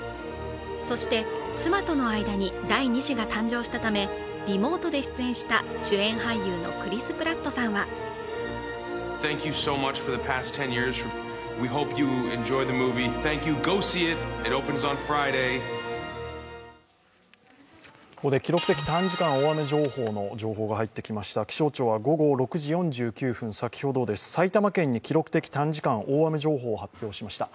そして妻との間に第二子が誕生したためリモートで出演した主演俳優のクリス・プラットさんはここで記録的短時間大雨情報の情報が入ってきました、気象庁は午後６時４９分先ほど、埼玉県に記録的短時間大雨情報を発表しました。